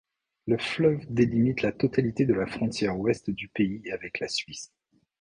Le fleuve délimite la totalité de la frontière ouest du pays avec la Suisse.